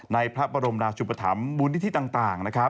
ในพระปรมราชุปธรรมบุญฤทธิต่าง